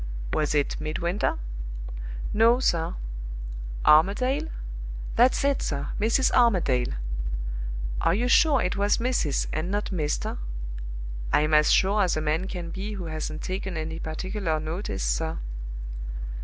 "Was it 'Midwinter'?" "No, sir. "Armadale?" "That's it, sir. Mrs. Armadale." "Are you sure it was 'Mrs.' and not 'Mr.'?" "I'm as sure as a man can be who hasn't taken any particular notice, sir."